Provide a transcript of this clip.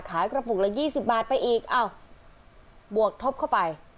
ขายกระปุกละยี่สิบบาทไปอีกเอ้าบวกทบเข้าไป